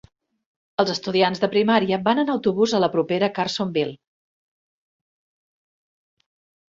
Els estudiants de primària van en autobús a la propera Carsonville.